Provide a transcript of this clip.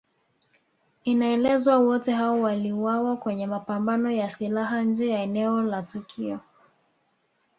Inaelezwa wote hao waliuawa kwenye mapambano ya silaha nje ya eneo la tukio